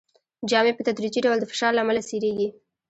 جامې په تدریجي ډول د فشار له امله څیریږي.